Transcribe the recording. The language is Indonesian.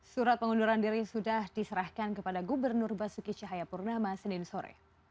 surat pengunduran diri sudah diserahkan kepada gubernur basuki cahayapurnama senin sore